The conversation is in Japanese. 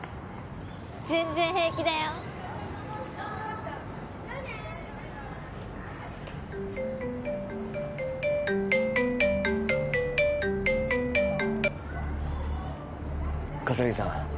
全然平気だよ葛城さん